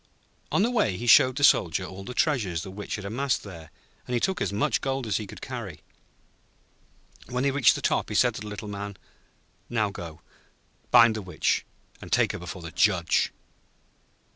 On the way he showed the Soldier all the treasures the Witch had amassed there, and he took as much gold as he could carry. When they reached the top he said to the Little Man: 'Now go, bind the Witch and take her before the Judge.'